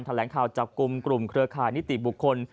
แหลงข่าวจับกลุ่มกลุ่มเครือข่ายนิติบุคคล